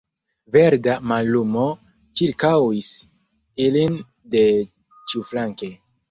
Verda mallumo ĉirkaŭis ilin de ĉiuflanke.